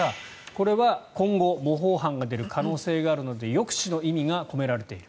これは今後模倣犯が出る可能性があるので抑止の意味が込められている。